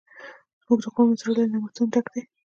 زموږ د غرونو زړه له نعمتونو ډک دی.